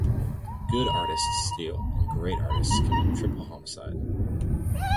Good artists steal, and great artists commit triple homicide.